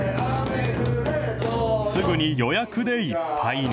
すぐに予約でいっぱいに。